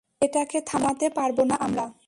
এটাকে থামাতে পারব না আমরা।